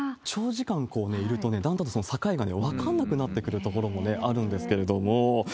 長時間いると、だんだんとその境が分からなくなってくるところもあるんですけれども。